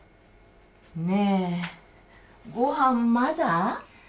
ねえごはんまだ？